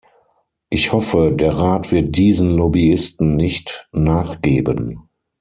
Ich hoffe, der Rat wird diesen Lobbyisten nicht nachgeben.